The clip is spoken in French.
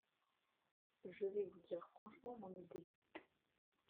Je vais vous dire franchement mon idée.